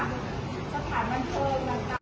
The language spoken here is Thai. นี่เวลาระเบิดเนี่ยครับ